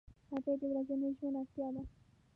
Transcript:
هګۍ د ورځني ژوند اړتیا ده.